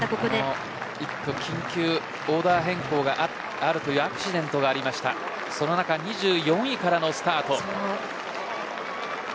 緊急オーダー変更というアクシデントがありましたがその中２４位からのスタート。